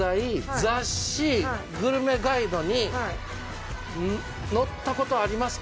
雑誌グルメガイドに載った事ありますか？